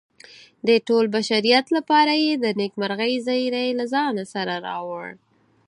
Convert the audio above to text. د ټول بشریت لپاره یې د نیکمرغۍ زیری له ځان سره راوړ.